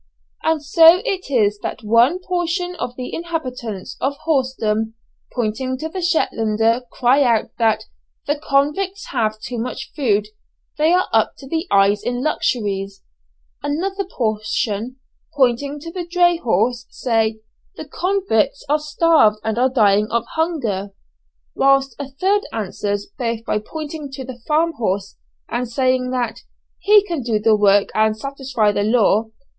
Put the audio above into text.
And so it is that one portion of the inhabitants of horsedom, pointing to the Shetlander, cry out that "the convicts have too much food, they are up to the eyes in luxuries;" another portion, pointing to the dray horse, say "the convicts are starved, and are dying of hunger;" whilst a third answers both by pointing to the farm horse and saying that "he can do the work and satisfy the law.